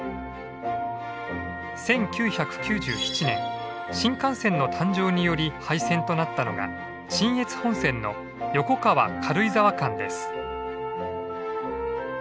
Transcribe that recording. １９９７年新幹線の誕生により廃線となったのが信越本線の横川軽井沢間です。